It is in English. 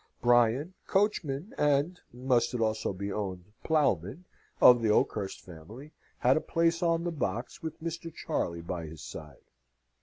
Brian, coachman, and must it also be owned? ploughman, of the Oakhurst family, had a place on the box, with Mr. Charley by his side.